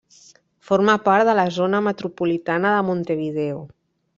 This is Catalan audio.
Forma part de la zona metropolitana de Montevideo.